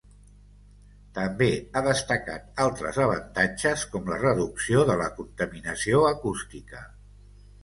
També ha destacat altres avantatges com la reducció de la contaminació acústica.